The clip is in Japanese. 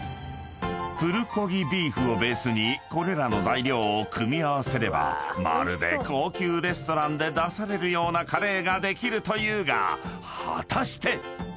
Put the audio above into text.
［プルコギビーフをベースにこれらの材料を組み合わせればまるで高級レストランで出されるようなカレーができるというが果たして⁉］